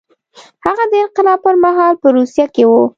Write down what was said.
هغه د انقلاب پر مهال په روسیه کې و.